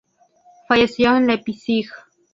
Falleció en Leipzig.